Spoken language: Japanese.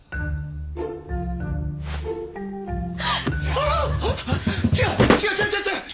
ああ違う違う違う。